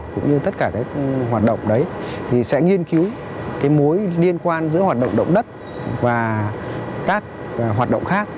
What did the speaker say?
cũng như tất cả các hoạt động đấy thì sẽ nghiên cứu cái mối liên quan giữa hoạt động động đất và các hoạt động khác